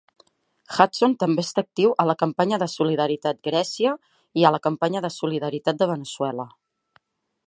Hudson també està actiu a la Campanya de solidaritat Grècia i a la Campanya de solidaritat de Veneçuela.